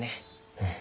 うん。